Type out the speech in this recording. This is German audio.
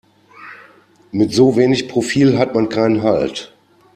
Mit so wenig Profil hat man keinen Halt.